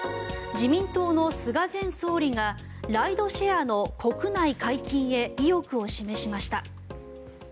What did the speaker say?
自民党の菅前総理がライドシェアの国内解禁へ意欲を示しました。